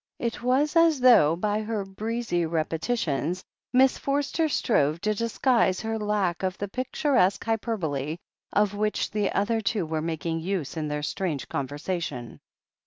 It was as though, by her breezy repetitions, Miss Forster strove to disguise her lack of the picturesque hyperbole of which the other two were making use in their strange conversation.